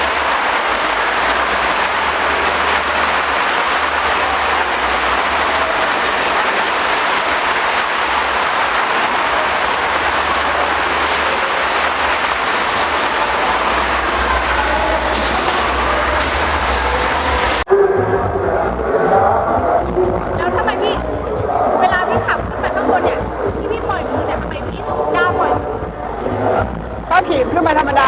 งานใหญ่โต